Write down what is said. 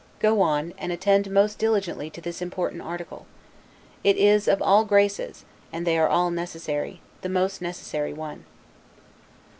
Go on, and attend most diligently to this important article. It is, of all Graces (and they are all necessary), the most necessary one.